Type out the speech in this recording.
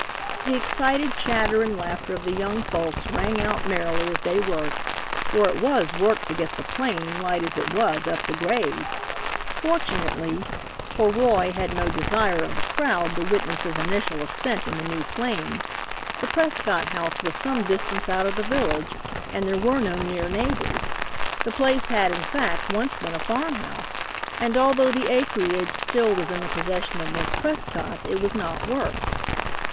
The excited chatter and laughter of the young folks rang out merrily as they worked for it was work to get the 'plane, light as it was, up the grade. Fortunately for Roy had no desire of a crowd to witness his initial ascent in the new 'plane the Prescott house was some distance out of the village, and there were no near neighbors. The place had, in fact, once been a farm house, and although the acreage still was in the possession of Miss Prescott it was not worked.